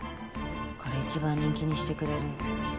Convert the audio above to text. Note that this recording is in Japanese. これいちばん人気にしてくれる？